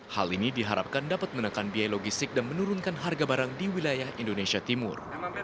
hal ini diharapkan dapat menekan biaya logistik dan menurunkan harga barang di wilayah indonesia timur